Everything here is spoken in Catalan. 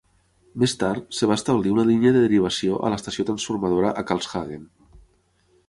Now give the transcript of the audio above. Més tard, es va establir una línia de derivació a l'estació transformadora a Karlshagen.